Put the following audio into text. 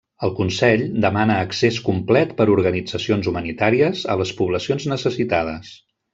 El Consell demana accés complet per organitzacions humanitàries a les poblacions necessitades.